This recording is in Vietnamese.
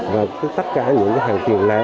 và tất cả những cái hàng tiền lẻ